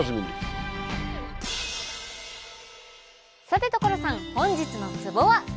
さて所さん本日のツボは？